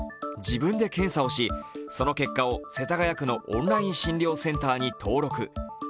自分で検査をしその結果を世田谷区のオンライン診療センターに登録。